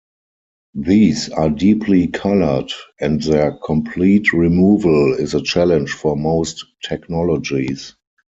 These are deeply colored and their complete removal is a challenge for most technologies.